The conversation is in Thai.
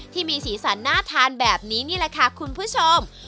ที่มีสีสันน่าทานแบบนี้นี่แหละค่ะคุณผู้ชม